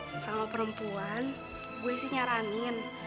sesama perempuan gue sih nyaranin